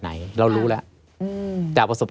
ไม่มีครับไม่มีครับ